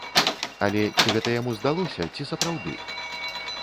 Але ці гэта яму здалося, ці сапраўды?